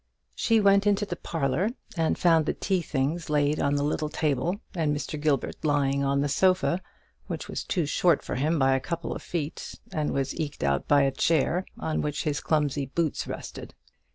She went into the parlour, and found the tea things laid on the little table, and Mr. Gilbert lying on the sofa, which was too short for him by a couple of feet, and was eked out by a chair, on which his clumsy boots rested.